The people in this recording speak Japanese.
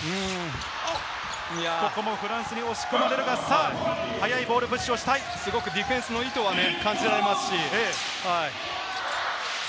ここもフランスに押し込まれるが、さあ速いボール、ポジションをしディフェンスの意図は感じられますし。